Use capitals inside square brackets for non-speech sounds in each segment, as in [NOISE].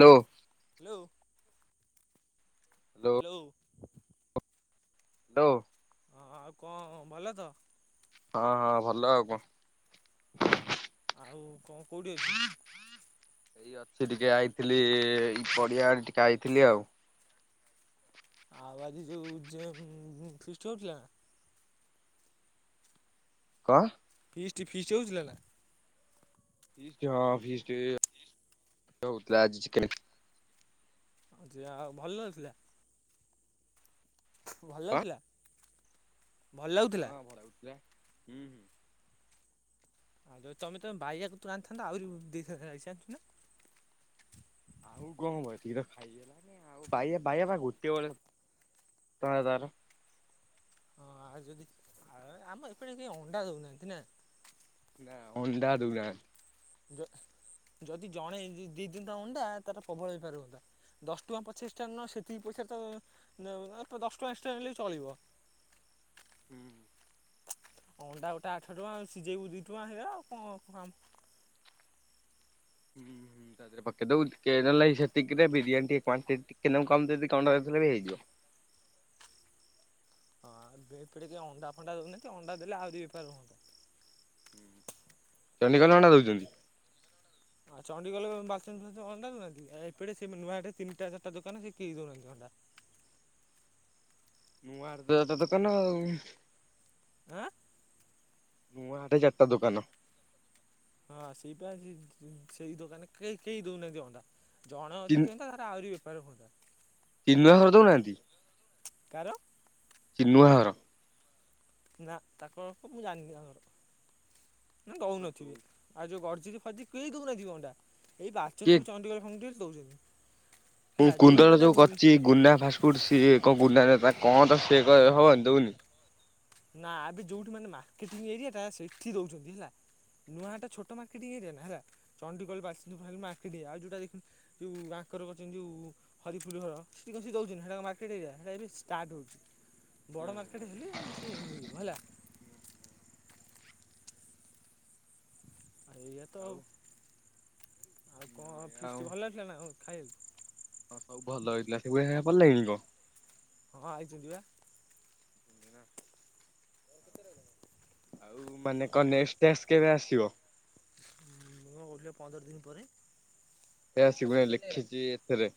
ଲୋ hello. Hello ଲୋଉ ଲୋ ହଁ ଆଉ କଣ ଭଲ ତ? ହଁ ହଁ ଭଲ ଆଉ କଣ? ଆଉ କଣ କୋଉଠି ଅଛୁ? ଏଇ ଅଛି ଟିକେ ଆଇଥିଲି ଏଇ ପଡିଆ ଆଡେ ଟିକେ ଆଇଥିଲି ଆଉ। ଆଉ ଆଜି ଯୋଉ ଯେ ଉଁ, ଉଁ, ଫିଷ୍ଟ ହଉଥିଲା ନା? କଁ? ଫିଷ୍ଟ ଫିଷ୍ଟ ହଉଥୁଲା ନା? ଫିଷ୍ଟ ହଁ ଫିଷ୍ଟି। ଫିଷ୍ଟ ତ ହଉଥିଲା ଆଜି ଚିକେନେ। ଆଜି ଆଉ ଭଲ ଥିଲା? ଭଲ କଣ ଥିଲା। ହଁ ଭଲ ହଉଥିଲା ହୁଁ, ହୁଁ। ଆଉ ଯଦି ତୋମେ ତୋମ ବାଇଆ କତରୁ ଆଣିଥାନ୍ତ ଆଉରୁ ଦେଇଥାନ୍ତା ରାଇସ୍ ଜାଣିଚୁ ନା? ଆଉ କଣ ବସିକି ତ ଖାଇଗଲାଣି ଆଉ। ବାଇଆ ବାଇଆ ବା ଗୋଟେ ବଳେ ତୋମେ ତାର ହଁ ଆଉ ଯଦି ଆ, ଆମ ଏପଟେ କେ ଅଣ୍ଡା ଦଉନାହାନ୍ତି ନା? ନା ଅଣ୍ଡା ଦୋଉନା ଯ-ଯଦି ଜଣେ ଦି- ଦେଇ ଦିଅନ୍ତା ଅଣ୍ଡା ତାର ପ୍ରବଳ ବେପାର ହୁଅନ୍ତା। ଦଶ ଟଙ୍କା ପଛେ ଏକ୍ସଟ୍ରା ନଅ, ସେତିକି ପଇସାରେ ତ ନଉ [UNINTELLIGIBLE] ଦଶଟଙ୍କା ଏକ୍ସଟ୍ରା ନେଲେ ଚଳିବ। ହୁଁ। ଅଣ୍ଡା ଗୋଟା ଆଠ ଟଙ୍କା ଆଉ ସିଝେଇବୁ ଦି ଟଙ୍କା ହେଇଗଲା ଆଉ କଣ କମ। ହୁଁ, ହୁଁ। ତା ଧୀଅରେ ପକେଇଦବୁ ଟିକେ ଜାଣିଲ କି ସେତିକିରେ ବିରିୟାନୀ ଟିକେ କ୍ୱାଣ୍ଟିଟି ଟିକେ ନାକୁ କମ୍ ଦେଇ ଦେଇକି ଅଣ୍ଡା ଦେଇଥିଲେ ବି ହେଇଯିବ। ହଁ ବେ ଏପଟେ କିଏ ଅଣ୍ଡା ଫଣ୍ଡା ଦଉନାହାନ୍ତି ଅଣ୍ଡା ଦେଲେ ଆହୁରି ବେପାର ହୁଅନ୍ତା। ହୁଁ। ଚଣ୍ଡିଖୋଲ ର ଅଣ୍ଡା ଦଉଚନ୍ତି। ଆଉ ଚଣ୍ଡୀଖୋଲ ବାଲସନ ଫାସନ ଅଣ୍ଡା ଦଉନାହାନ୍ତି କି। ଏ, ଏପଟେ ସେ ନୂଆ ଆଡ଼ିରେ ତିନିଟା ଚାଟା ଦୋକାନ ସେ କେହି ଦୋଉନାହାନ୍ତି ଅଣ୍ଡା। ନୂଆହାଟ ଦତ ଦୋକାନ ଆଉ। ଆଁ, ନୂଆହାଟ ଚାଟା ଦୋକାନ। ହଁ ସେଇପା ସେ ଉଁ, ସେଇ ଦୋକାନ କେଇ କେହି ଦୋଉନାହାନ୍ତି ଅଣ୍ଡା। ଜଣେ ଯଦି ଦିଅନ୍ତା ତାର ଆଉରି ବେପାର ହୁଅନ୍ତା। ଟିଲୁଆ ଘର ଦଉନାହାନ୍ତି? କାହାର? ଚିନୁଆ ଘର। ନା ତାକୁ ମୁଁ ଜାଣିନି ତାଙ୍କ ଘର ନା ଦଉନଥିବେ। ଆଉ ଯୋଉ ଗର୍ଜି ବି ଫଜି କେହି ଦେଉନାହାନ୍ତି କି ଅଣ୍ଡା ଏଇ [UNINTELLIGIBLE] କିଏ ଚଣ୍ଡୀଖୋଲ ଫଣ୍ଡିଗୋଲ ଦଉଛନ୍ତି। ମୁଁ ହେଲା ଯୋଉଠି କୁନ୍ଦଳ ମାନେ ଯୋଉ କରିଛି ଗୁନା ଫାଷ୍ଟଫୁଡ ସିଏ କଣ ଗୁନାରେ ତା କଣ ତ ସିଏ ହ ଦେଉନି। ନା ଏବେ ଯୋଉଠି ମାନ ମାର୍କେଟିଙ୍ଗ ଏରିଆଟା ସେଇଠି ଦଉଛନ୍ତି ହେଲା ନୂଆହାଟ ଛୋଟ ମାର୍କେଟିଂ ଏରିଆ ନା ହେଲା ଚଣ୍ଡିଖୋଲ [UNINTELLIGIBLE] ମାର୍କେଟ ଆଉ ଯୋଉଟା ଦେଖିଲୁ ଯୋଉ ଆଙ୍କର କରିଛନ୍ତି ଯୋଉ ହରିପୁର ଘର ସିଠି କଣ ସେ ଦଉଛନ୍ତି ସେଇଟା ମାର୍କେଟ ଏରିଆ ସେଇଟା ଏବେ ଷ୍ଟାର୍ଟ ହଉଛି। ହୁଁ ବଡ ମାର୍କେଟ ହେଲେ ସେ ମିଳିବ ହେଲା। ଆଉ ଏଇଆ ତ ଆଉ, ଆଉ କଣ ହୁଁ ଫିସ୍ଟ ଭଲ ହେଇଥିଲା ନା ଆଉ ଖାଇବାକୁ? ହଁ ସବୁ ଭଲ ହେଇଥିଲା [UNINTELLIGIBLE] ହଁ ଆଇଛନ୍ତି ବା। [UNINTELLIGIBLE] ଆଉ ମାନେ କଣ ନେଷ୍ଟ ଟାସ୍କ କେବେ ଆସିବ? ମୁଁ ବା ଗଲି ପନ୍ଦର ଦିନ ପରେ। ଏୟା ସବୁ ଲେଖିଛି ଏଥିରେ।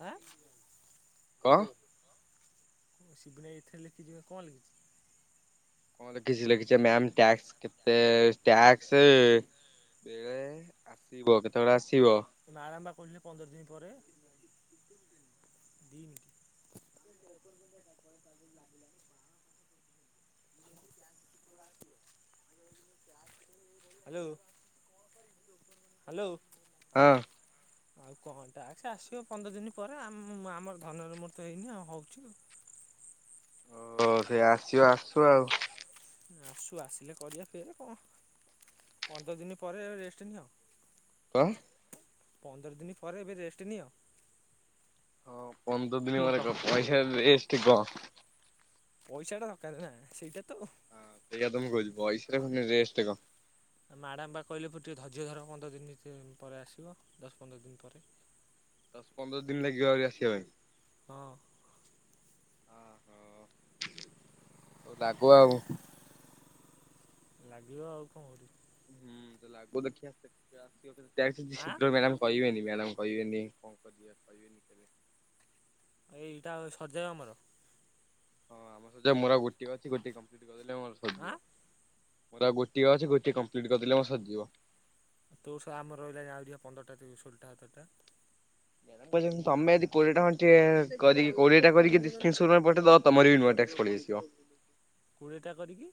ଆଁ? କଣ? ତମ ସିବୁନା ଭାଇ ଏଥିରେ ଲେଖିଛି କଣ ଲେଖିଛି? କଣ ଲେଖିଛି ଲେଖିଛି ମାମ ଟ୍ୟାକ୍ସ କେତେ ଟ୍ୟାକ୍ସ? ବେଳେ ଆସିବ, କେତେବେଳେ ଆସିବ? ସେ ମ୍ୟାଡ଼ାମବା କହୁଛନ୍ତି ପନ୍ଦର ଦିନ ପରେ, ଦି ମିନିଟ୍ ହ୍ୟାଲୋ? ହ୍ୟାଲୋ, ହଁ ଆଉ କଣ ଟାସ୍କ ଆସିବ ପନ୍ଦର ଦିନ ପରେ ଆମର ଧନର ମୋର ତ ହେଇନି ଆଉ ହଉଛି ଆଉ। ହଉ ସେ ଆସିବ ଆସୁ ଆଉ। ଆସୁ ଆସିଲେ କରିବ ଫେରେ କଣ ପନ୍ଦର ଦିନ ପରେ ରେଷ୍ଟ ନିଅ। କଣ? ପନ୍ଦର ଦିନ ପରେ ଏବେ ରେଷ୍ଟ ନିଅ। ହଁ ପନ୍ଦର ଦିନ ମାନେ କଣ ପଇସା ରେଷ୍ଟ୍ କଣ? ପଇସାଟା ଦରକାର ନା ସେଇଟା ତ ହଁ ସେଇଆ ତ ମୁଁ କହିଲି ଟେଷ୍ଟ କଣ? ଆଉ ମ୍ୟାଡ଼ାମ୍ ବା କହିଲେ ବା ଟିକିଏ ଧର୍ଯ୍ୟ ଧର ପନ୍ଦର ଦିନ ପରେ ଆସିବ, ଦଶ ପନ୍ଦର ଦିନ ପରେ। ଦଶ ପନ୍ଦର ଦିନ ଲାଗିବ ଆହୁରି ଆସିବା ପାଇଁ। ହଁ ଓହୋ, ଲାଗୁ ଆଉ। ଲାଗିବ ଆଉ କଣ କରିବ। ହୁଁ ଲାଗୁ, ଦେଖିବା [UNINTELLIGIBLE] ଆଁ ଶୀଘ୍ର ମ୍ୟାଡାମ କହିବେନି ମ୍ୟାଡ଼ାମ କହିବେନି କଣ କରିବା? [INAUDIBLE] ଏଇ ଏଇଟା ସରିଯାଉ ଆମର। ହଁ ଆମର ସରିଯାଉ ମୋର ଆଉ ଗୋଟିଏ ଅଛି ଗୋଟିଏ କଂପ୍ଲିଟ୍ କରିଦେଲେ ମୋର ସରିଲା। ଆଁ ମୋର ଆଉ ଗୋଟଏ ଅଛି ଗୋଟିଏ କମ୍ପ୍ଲିଟ କରିଦଲେ ମୋର ସରିଯିବ। ତୋ ଶ ଆମର ରହିଲାଣି ଆହୁରି ପରା ଷୋଳଟା ସଟରଟା। ତମେ ଯଦି କୋଡିଟା ଖଣ୍ଡେ କରିକି କୋଡିଏ ଟା କରିକି ଡିଷ୍ଟ୍ରିବ ସୁଗାର ପଠେଇଦବ [UNINTELLIGIBLE] ତମର ବି ନୂଆ ଟ୍ୟାକ୍ସ ପଳି ଆସିବ। କୋଡ଼ିଏଟା କରିକି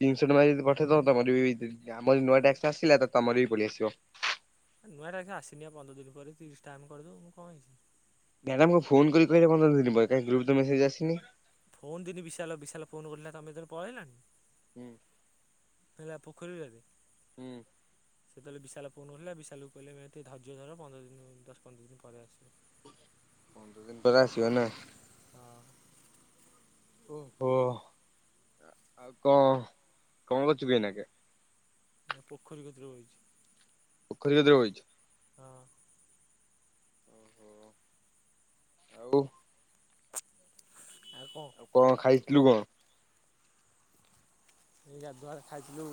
ତିନିଶହ ଟଙ୍କା ଯଦି ପଠେଇ ଦବ ତମର ବି ଆମର ନୂଆ ଟ୍ୟାକ୍ସ୍ ଆସିଲା ତମର ବି ପଳେଇ ଆସିବ। ନୂଆ ଟ୍ୟାକ୍ସ ପା ଆସିନି ପନ୍ଦର ଦିନ ପରେ ତିରିଶ ଟା ଆମେ କରିଦବୁନୁ କଣ ହେଇଛି। ମ୍ୟାଡ଼ାମକୁ ଫୋନ କରି କହିଲେ ପନ୍ଦର ଦିନ ପରେ କାଇଁ ଗ୍ରପ୍ କୁ ତ ମେସେଜ ଆସିନି। ଫୋନ ଦିନି ବିଶାଲ ବିଶାଲ୍ ଫୋନ୍ କିରିଲା ତମେ ସେତବେଳେ ପଳେଇଲାଣି [UNINTELLIGIBLE] ହୁଁ। ହେଲା ପୋଖରୀବାରି। ହୁଁ। ସେତେବେଳେ ବିଶାଲ ଫୋନ୍ କରିଥିଲା ବିଶାଲକୁ କହିଲେ ଟିକେ ଧର୍ଯ୍ୟ ଧର ପନ୍ଦର ଦିନ, ଦଶ, ପନ୍ଦର ଦିନ ପରେ ଆସିବ। ପନ୍ଦର ଦିନ ପରେ ଆସିବ ନା ହଁ। ଓହୋ ଆଉ କଣ କଣ କରଛୁ କି ଏଇନାକେ। ଏ ପୋଖରୀ କତିରେ ଓହଳେଇଛି। ପୋଖରୀରେ କତିରେ ବଇଛୁ। ହଁ। ହଁ। ଆଉ। ଆଉ କହ। ଆଉ କଣ ଖାଇଛୁ କଣ? ଏଇ ଗାଧୁଆ ବେଳେ ଖାଇଥିଲୁ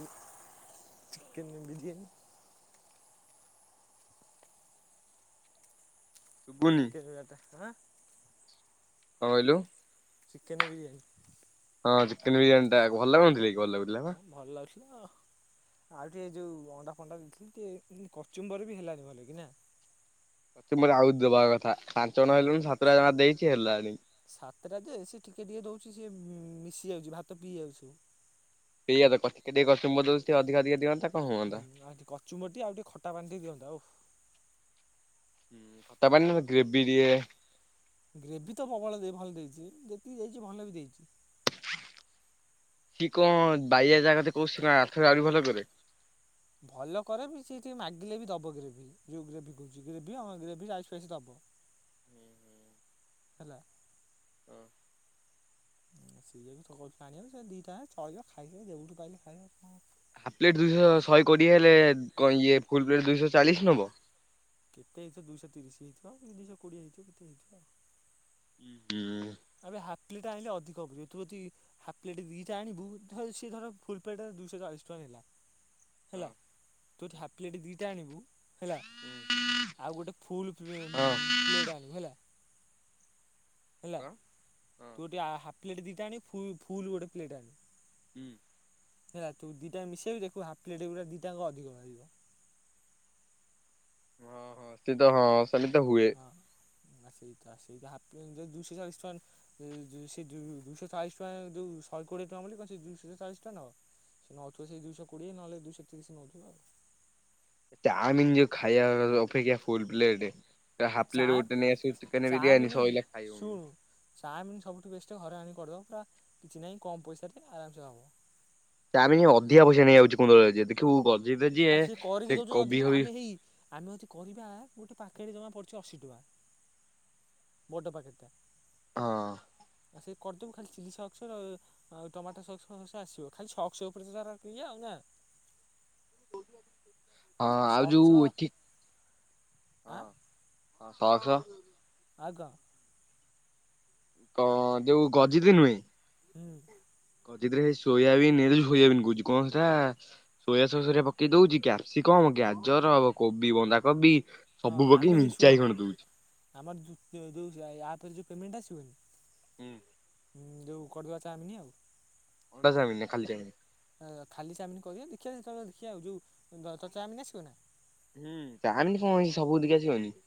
ଚିକେନ ବିରିୟାନୀ। ଆ ଶୁଭୁନି ଚିକେନ୍ ବିରାଟା ଆନାଁ [UNINTELLIGIBLE] କଣ କହିଲୁ? ଚିକେନ୍ ବିରିୟାନୀ। ହଁ, ଚିକେନ୍ ବିରିୟାନୀ ଟା ଭଲ ଲାଗୁନଥିଲା କି ଭଲ ଲାଗୁଥିଲା ବା। ହଁ ଭଲ ଲାଗୁଥିଲା। ଆଉ ଟିକେ ଯୋଉ ଅଣ୍ଡା ଫଣ୍ଡା ଦେଇଥିଲେ ଟିକେ କଚୁମ୍ବର ବି ହେଲାନି ଭଲ କି ନା। ମତେ ମୋର ଆହୁରି ଦେବାର କଥା ପାଞ୍ଚ ଜଣ ହଁ ହେଲୁଣି କଚ ସାତଟା ଜମା ଦେଇଛି ହେଲାନି। ସାତଟା ଯେ ସେ ଟିକେ ଟିକେ ଦଉଛି ସେ ମିଶି ଯାଉଛି ଭାତ ପିଇ ଯାଉଛି ସବୁ। ଏଇଆ ତ କଚ୍ ଟିକେ ଟିକେ କଚୁମ୍ବର୍ ଦଉଚି ଅଧିକା ଟିକେ ଦିଅନ୍ତା। କଣ ହୁଁ ହୁଅନ୍ତା। ଆଉ ଟିକେ କଚୁମ୍ବର୍ ଆଉ ଟିକେ ଖଟା ପାଣି ଦିଅନ୍ତା ଓଃ। ହୁଁ ଖଟା ପାଣି ନହେଲେ ଗ୍ରେବି ଦିଏ। ଗ୍ରେଭି ତ ପ୍ରବଳ ଦେଇ ଭଲ ଦେଇଛି ଯେତିକି ଦେଇଛି ଭଲ ବି ଦେଇଛି। କି କଣ ବାଇଆ ଜାଗା ତ କହୁଚୁ ସେ କଣ ଆହୁରି ଭଲ କରେ। [UNINTELLIGIBLE] ଭଲ କରେ ବି ସେ ଟିକେ ମାଗିଲେ ବି ଦବ ଗ୍ରେଭି ଯୋଉ ଗ୍ରେଭି କରୁଛି ଗ୍ରେଭି ହିଁ ଗ୍ରେଭି ରାଇସ୍ ଫାଇସ୍ ଦବ। [INAUDIBLE] ହେଲା। ସିଏ ବି କହୁଛି ଆଣିବା ସେ ଦିଟା ଚଳିଯିବ ଖାଇଯିବା ଯୋଉଠୁ ପାଇଲେ ଖାଇବା କଣ। ହାପ୍ ପ୍ଲେଟ୍ ଦୁଇଶହ ଶହେ କୋଡ଼ିଏ ରେ କ ଇଏ ଫୁଲ୍ ପ୍ଲେଟ୍ ଦୁଇଶହ ଚାଳିଶ ନେବ। କେତେ ହେଇଥିବ ଦୁଇଶହ ତିରିଶ ହେଇିଥିବ କି ଦୁଇଶହ କୋଡିଏ ହେଇଥିବ କେତ ହେଇଥିବ ଆଉ। ହୁଁ। ଆବେ ହାପ୍ ପ୍ଲେଟ ଆଣିଲେ ଅଧିକ ହବ ତୁ ଯଦି [UNINTELLIGIBLE] ହାପ୍ ପ୍ଲେଟ୍ ଦିଟା ଆଣିବୁ ତାହାଲେ ସିଏ ଧର ଫୁଲ୍ ପ୍ଲେଟ ଦୁଇଶହ ଚାଳିଶ ଟଙ୍କା ନେଲା ହେଲା? ତୁ ଅଦି ହାପ୍ ପ୍ଲେଟ୍ ଦିଟା ଆଣିବୁ ହେଲା? ଆଉ ଗୋଟେ ଫୁଲ୍ ପ୍ ହଁ ପ୍ଲେଟ୍ ଆଣିବୁ ହେଲା? ହେଲା ତୁ ଟିକେ ହାପ୍ ପ୍ଲେଟ୍ ଦି ଟା ଆଣିବୁ ଫୁ ଫୁଲ୍ ଗୋଟେ ପ୍ଲେଟ୍ ଆଣିବୁ। ହୁଁ। ହେଲା ତୁ ଦିଟାଙ୍କ ମିଶେଇକି ଦେଖୁ ହାପ୍ ପ୍ଲେଟ୍ ଗୁଡା ଦିଟାଙ୍କ ଅଧିକ ବାହାରିବ। ଓହୋ ସେ ସିଏ ତ ହଁ ସେମିତି ତ ହୁଏ। ହଁ ନା ସେଇଟା ସେଇତ ହାପ୍ ପ୍ଲେଟ୍ ଯଦି ଦୁଇଶହ ଚାଳିଶ ଟଙ୍କା ସେ ଯୋ ସେ ଯୋ ଦୁଇଶହ ଚାଳିଶ ଟଙ୍କା ଯୋଉ ଶହେକୋଡ଼ିଏ ଟଙ୍କା ବୋଲି ସେ ଦୁଇଶହ ଚାଳିଶ ଟଙ୍କା ନବ? ନଉଥିବ ସେ ଦୁଇଶହ କୋଡିଏ ନହେଲେ ଦୁଇଶହ ତିରିଶ ନଉଥିବ ଆଉ। ଚାଉମିିନ ଯୋଉ ଖାଇବା ଅପେକ୍ଷା ଫୁଲ ପ୍ଲେଟେ ହାପ୍ ଚା ଫ୍ଲେଟ ଗୋଟ ନେଇ ଆସିବୁ ଚିକେନ ବିରିଆନି ସଇଲା ଖାଇବୁ। ଚାଓମିନ ସବୁଠୁ ବେଷ୍ଟ ଘରେ ଆଣିକି କରିବ ପୁରା କିଛି ନାହିଁ କମ୍ ପଇସାରେ ଆରାମସେ ହବ। ଚାଓମିନ ଅଧିକା ପଇସା ନେଇଯାଉଛି କଣପାଇଁ ଯିଏ ଦେଖିବୁ [UNINTELLIGIBLE] ଯିଏ ଆଉ ସିଏ କରିକି ସେ ଦଉଛନ୍ତି ଅଧିକ କୋବି ବା ଫୋବି ଆମେ ହେଇ ଆମେ ଯଦି କରିବା ଗୋଟେ ପ୍ୟାକେଟ୍ ଜମା ପଡ଼ିୁଛି ଅଶୀ ଟଙ୍କା। ବଡ ପ୍ୟାକେଟ୍ ଟା। ହଁ। ଆଉ ସେ କରିଦବୁ ଖାଲି ଚିଲି ସକ୍ସ୍ ଆଉ ଆଉ ଟମାଟୋ ସକ୍ସ ଫକ୍ସ ଆସିବ ଖାଲି ସକ୍ସ ଉପରେ ତ ତାର ଇଏ ଆଉ ନା? ହଁ ଆଉ ସକ୍ସ ଯୋଉ ଚି ହଁ ଆଁ ହଁ ସକ୍ସ ଆଉ କଁ? କ ଯୋଉ ଗଜିିତି ନୁହେଁ। ହୁଁ। ଗଜିତ୍ ରେ ସୋୟାବିନ [UNINTELLIGIBLE] କହୁଛି କଁ ସେଟା। ସୋୟା ସସ୍ ରେ ପକେଇ ଦଉଛି କ୍ୟାପ୍ସିକମ୍, ଗାଜର, କୋବି, ବନ୍ଧାକୋବି ହଁ ସବୁ ଆମେ ପକେଇ ହେଇ ଶୁଣ ମେଞ୍ଚାଏ ଖଣ୍ଡେ ଦଉଛି। ଆମର ଯୁ ତେ ଯୋଉ ୟାପରେ ଯୋଉ ପେମେଣ୍ଟ ଆସିବନି? ହୁଁ। ହୁଁ ଯୋଉ କରିବା ଚାଓମିନି ଆଉ। ଅଣ୍ଡା ଚାଓମିନି ନା ଖାଲି ଚାଓମିନି? ଅ ଖାଲି ଚାଓମିନ୍ କରିବା ଦେଖିବା ଯେତେବେଳେ ଦେଖିବା ଆଉ। ଯୋଉ ତ ଚାଓମିନ୍ ଆସିବ ନା? ହୁଁ ଚାଓମିନି କଁ ଅଛି [UNINTELLIGIBLE] ଆସିବନି?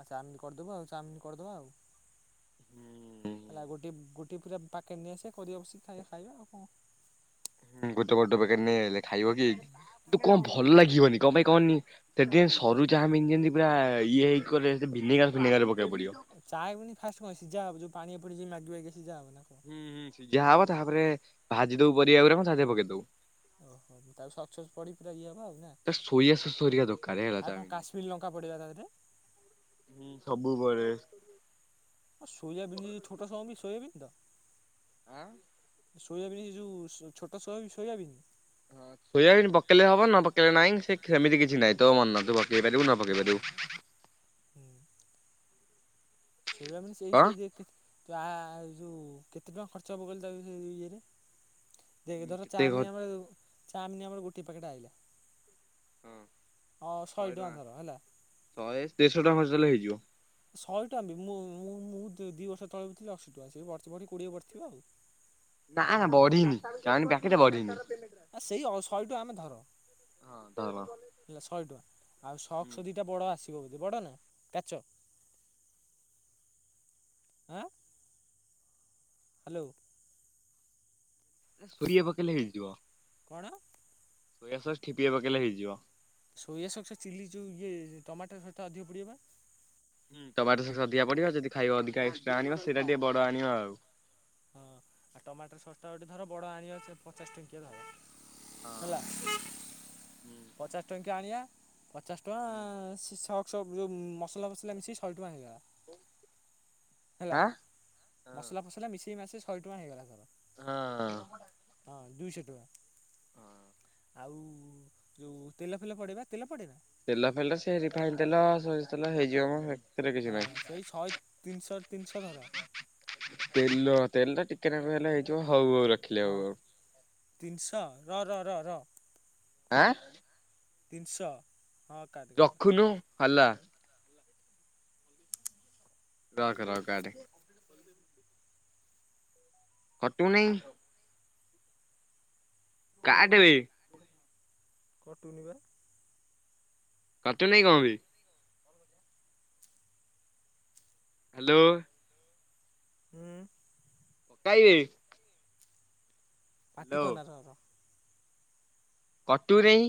ଆ ଚାଉମିନ୍ କରିଦବୁ ଆଉ ଚାଉମିନ୍ କରିଦବା ଆଉ ହୁଁ ହେଲା ଗୋଟେ ଗୋ ଗୋଟିଏ ପୁରା ପ୍ୟାକେଟ୍ ନେଇ ଆସିବା କରିବା ବସିକି ଖାଇବା ଖାଇବା ଆଉ କଣ ହୁଁ ଗୋଟେ ବଡ଼ ପ୍ୟାକେଟ୍ ନେଇଆଇଲେ ଖାଇବ କିଏ କି କିନ୍ତୁ କଣ ଭଲ ଲାଗିବନି କଣ ପାଇଁ କହନି? ସେ ଟି ସରୁ ଚାଉମିନ୍ ଯେମିତି ପୁରା ଇଏ ହେକଲେ ଭିନେଗାର ଫିନେଗାର ପକେଇବାକୁ ପଡିବ। ଚାଉମିନ୍ ଫାଷ୍ଟ୍ କଣ ସିଝା ହବ ଯୋଉ ପାଣି ରେ ପଡିକି ଯୋଉ ମାଗି ବାଗିଆ ସିଝା ହବ ନା କଣ? ହୁଁ ହୁଁ ସିଝା ହବ ତାପରେ ଭାଜି ଦୋଉ ପରିବା ଗୁରାକ ତା ଦେହରେ ପକେଇ ଦଉ। ଓହୋ ତା ସକ୍ସ୍ ଫକ୍ସ୍ ପଡ଼ି ପୁରା ଇଏ ହବ ଆଉ ନା? ସୋୟାସସ୍ ଆଉ କଣ କାଶ୍ମୀର ଲଙ୍କା ପଡିବା ତାଥିରେ ହୁଁ ସବୁ ପଡେ। ଆ ସୋୟାବିନ ଛୋଟ ଚାଓମିନ୍ ସୋୟାବିନ ତ ଆଁ। ସୋୟାବିନ୍ ଏ ଯୋଉ ଛୋଟ ସୋୟାବିନି ସୋୟାବିନି? ହଁ ସୋୟାବିନ୍ ପକେଇଲେ ହବ ନ ପକେଇଲେ ନାହିଁ ସେମିତି କିଛି ନାହିଁ ତୋ ମନ ତୁ ପକେଇ ପାରିବୁ ନ ପକେଇ ପାରିବୁ। ହୋଉ ହୁଁ। ସୋୟାବିନ୍ ସେଇ କଣ ସେଇ ଦେଖେ ଜା ଏଇ ଯୋଉ କେତେ ଟଙ୍କା ଖର୍ଚ୍ଚ ହେବ କହିଲୁ ତା ଭିତ ଇଏରେ ଦେଖେ ଧର କେତେ ଖ ହଁ ଚାଉମିନ୍ ଆମର ଚାଉମିନ୍ ଆମର ଗୋଟିଏ ପ୍ୟାକେଟ୍ ଆଇଲା। ଶହେ ଟଙ୍କା ଅ ଶହେ ଟଙ୍କା ଧର ଦେଢ଼ ହେଲା ଶହ ଟଙ୍କା ଖର୍ଚ୍ଚ କରିଦେଲେ ହେଇଯିବ। ଶହେ ଟଙ୍କା ବି ମୁଁ ମୁଁ ମୁଁ ଦି ଦିଇ ବର୍ଷ ତଳେ ବୁଝି ଥିଲି ଅଶୀ ଟଙ୍କା ସେବଢ଼ି ଥିବଯଦି ବଢ଼ିଥିବ କୋଡିଏ ବଢିଥିବ ଆଉ। ନା ନା ବଢିଇନି ତା ପ୍ୟାକେଟା ବଢିଇନି। ଆ ସେଇ ଶହେ ଟଙ୍କା ଆମେ ଧର ହଁ [UNINTELLIGIBLE] ହେଲା ଶହେ ଟଙ୍କା ଆଉ ସକ୍ସ୍ ଦିଟା ବଡ ଆସିବ ବୋଧେ ବଡ଼ ନା କାଚ ଆଁ ହାଲୋ। କୋଡ଼ିଏ ପକଇଲେ ହେଇଯିବ। କଣ? ସୋୟାଶସ୍ ଠିପିିଏ ପକେଇଲେ ହେଇଯିବ। ସୋୟା ସକ୍ସ୍ ଚିଲି ଯୋଉ ଇଏ ଟମାଟୋ ସହ ଅଧିକ ପଡ଼ିବ ବା ହୁଁ ଟମାଟୋ ସକ୍ସ୍ ଅଧିକା ପଡିବା ଯଦି ଖାଇବ ଅଧିକ ଏକ୍ସଟ୍ରା ଆଣିବ ସେଇଟା ଟିକେ ବଡ ଆଣିବା ଆଉ। ହଁ ଆଉ ଟମାଟର ଶସ୍ଟା ଗୋଟେ ଧର ବଡ଼ ଆଣିବା ପଚାଶ ଟଙ୍କିଆ ଧର ହେଲା ହଁ ପଚାଶ ଟଙ୍କିଆ ଆଣିବା ପଚାଶ ଟଙ୍କା ସକ୍ସ୍ ଯୋଉ ମସଲା ଫସଲା ମିଶିକି ଶହେ ଟଙ୍କା ହେଇଗଲା। ହେଲା ଆଁ ମସଲା ଫସଲା ମିଶେଇ ମାସେଇ ଶହେ ଟଙ୍କା ହେଇଗଲା ଧର ହଁ। ହଁ ଦୁଇଶହ ଟଙ୍କା। ହଁ। ଆଉ ଯୋଉ ତେଲ ଫେଲ ପଡ଼େଏବା ତେଲ ପଡ଼େ ନାଁ? ତେଲ ଫେଲ ସେ ରିଫାଇନ ତେଲ ସୋରିଷ ତେଲ ହେଇଯିବ ମ ହେ ହଁ ସେଇ ଶହେ ତିନିଶହ ତିନିଶହ ଧର। ତେଲ ତେଲ ଟିକେ ନାକୁ ହେଲେ ହେଇଯିବ ହୋଉ ହୋଉ ର ହଁ ତିନିଶହ ରହ ର ର ଆଁ।। ତିନିଶହ। ହଁ କାଟ କାଟ ରଖୁନୁ ହାଲା। ରଖ ରଖ କାଟେ। କଟୁନିଇଁ। କାଟେ ବେ। କଟୁନିବା। କଟୁନି କଣ ପାଇଁ ହାଲୋ। ହୁଁ। କାଇ ବେ? ପାଟି କରନା ର ର। କଟୁ ନେଇଁ।